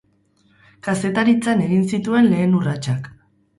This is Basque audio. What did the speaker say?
Kazetaritzan egin zituen lehen urratsak.